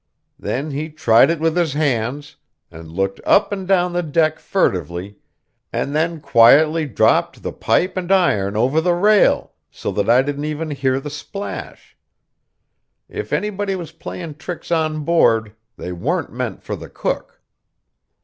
Then he tried it with his hands, and looked up and down the deck furtively, and then quietly dropped the pipe and iron over the rail, so that I didn't even hear the splash. If anybody was playing tricks on board, they weren't meant for the cook.